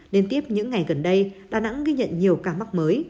đến tiếp những ngày gần đây đà nẵng ghi nhận nhiều ca mắc mới